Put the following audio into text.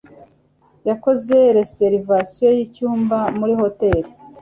Yakoze reservation yicyumba muri hoteri.